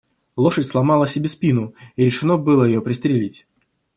Лошадь сломала себе спину, и решено было ее пристрелить.